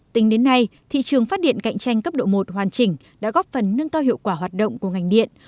tính đến nay thị trường phát điện cạnh tranh cấp độ một hoàn chỉnh đã góp phần nâng cao hiệu quả hoạt động của ngành điện